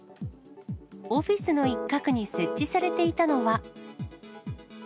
オフィスの一角に設置されていたのは。